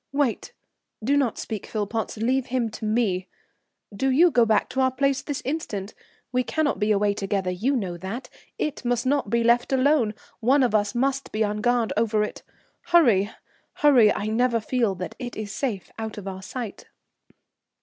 "Wait, do not speak, Philpotts, leave him to me.... Do you go back to our place this instant; we cannot be away together, you know that; it must not be left alone, one of us must be on guard over it. Hurry, hurry, I never feel that it is safe out of our sight.